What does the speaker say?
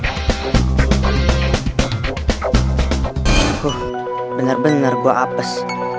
aku benar benar gua apes